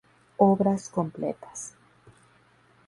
Obras completas.